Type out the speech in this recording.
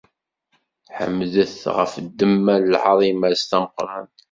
Ḥemdet- t ɣef ddemma n lɛaḍima-s tameqqrant!